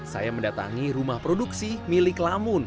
saya mendatangi rumah produksi milik lamun